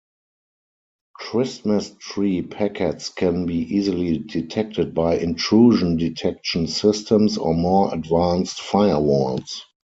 Christmas tree packets can be easily detected by intrusion-detection systems or more advanced firewalls.